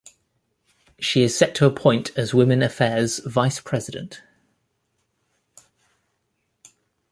She is set to appoint as Women Affairs's Vice President.